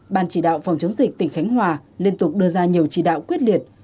ban chỉ đạo phòng chống dịch tỉnh khánh hòa liên tục đưa ra nhiều chỉ đạo quyết liệt